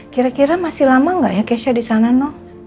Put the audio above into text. kira kira masih lama gak ya keisha di sana noh